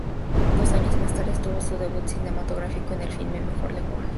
Dos años más tarde, tuvo su debut cinematográfico en el filme "Major League".